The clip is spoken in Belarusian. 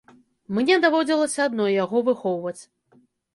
Мне даводзілася адной яго выхоўваць.